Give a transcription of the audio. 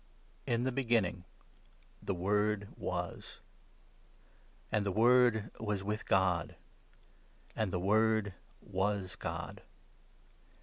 In the Beginning the Word was ; I And the Word was with God ; And the Word was God.